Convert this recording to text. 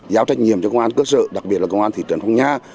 giáo trách nhiệm cho công an cơ sở đặc biệt là công an thị trấn phong nhà